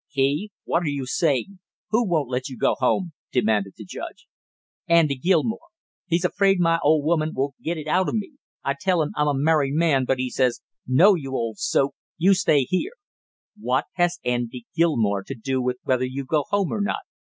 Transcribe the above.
'" "He? What are you saying who won't let you go home?" demanded the judge. "Andy Gilmore; he's afraid my old woman will get it out of me. I tell him I'm a married man but he says, 'No, you old soak, you stay here!'" "What has Andy Gilmore to do with whether you go home or not?"